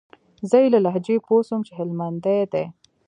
زه يې له لهجې پوه سوم چې هلمندى دى.